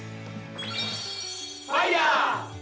ファイヤー！